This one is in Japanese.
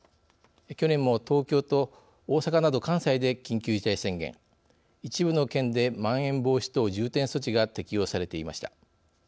去年も、東京と大阪など関西で緊急事態宣言一部の県でまん延防止等重点措置が適用されていました。